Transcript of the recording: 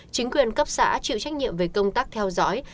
chính quyền cấp xã chịu trách nhiệm về công tác theo dõi